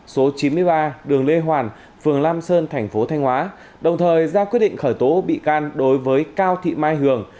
số chín mươi ba đường lê hoàn phường lam sơn thành phố thanh hóa đồng thời ra quyết định khởi tố bị can đối với cao thị mai hường